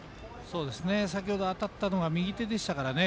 先ほど当たったのが右手でしたからね。